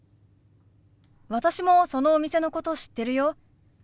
私もそのお店のこと知ってるよ。